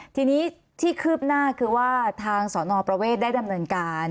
ทีนี้ที่คืบหน้าคือว่าทางสนประเวทได้ดำเนินการ